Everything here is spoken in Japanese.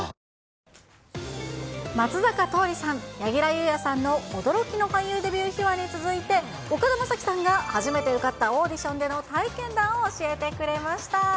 松坂桃李さん、柳楽優弥さんの驚きの俳優デビュー秘話に続いて岡田将生さんが初めて受かったオーディションでの体験談を教えてくれました。